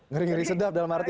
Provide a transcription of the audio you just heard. ngeri ngeri sedap dalam arti